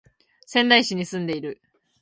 仙台市に住んでいる